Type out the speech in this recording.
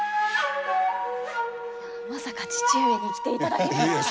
まさか父上に来ていただけるとは。